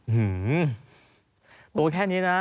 หือโตแค่นี้นะ